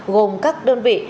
gồm các đơn vị